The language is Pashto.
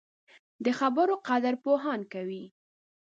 د خبرو قدر پوهان کوي